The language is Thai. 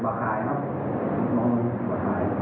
ทำงานด้วยใจการปิดอาสา